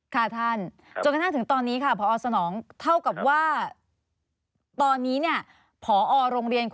ค่ะท่านจนกระทั่งถึงตอนนี้ค่ะพอสนองเท่ากับว่าตอนนี้เนี่ยพอโรงเรียน